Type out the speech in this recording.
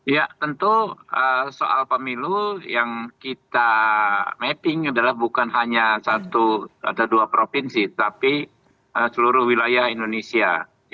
ya tentu soal pemilu yang kita mapping adalah bukan hanya satu atau dua provinsi tapi seluruh wilayah indonesia